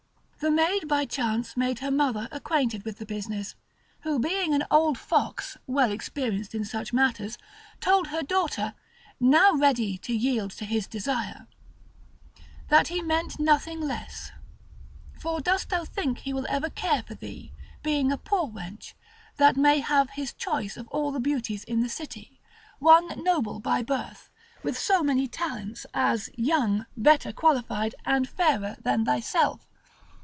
The maid by chance made her mother acquainted with the business, who being an old fox, well experienced in such matters, told her daughter, now ready to yield to his desire, that he meant nothing less, for dost thou think he will ever care for thee, being a poor wench, that may have his choice of all the beauties in the city, one noble by birth, with so many talents, as young, better qualified, and fairer than thyself?